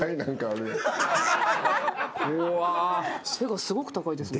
背がすごく高いですね。